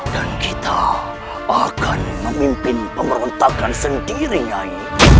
dan kita akan memimpin pemerintahkan sendiri nyai